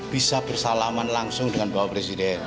bisa bersalaman langsung dengan bapak presiden